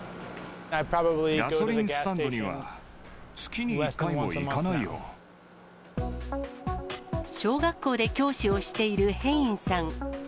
ガソリンスタンドには、小学校で教師をしているヘインさん。